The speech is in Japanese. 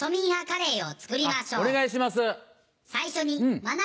お願いします。